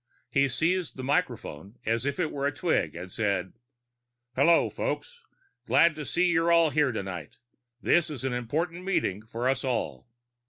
He seized the microphone as if it were a twig and said, "Hello, folks. Glad to see you're all here tonight. This is an important meeting for us all.